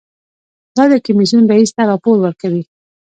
دا د کمیسیون رییس ته راپور ورکوي.